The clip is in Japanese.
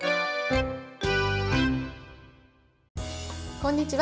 こんにちは。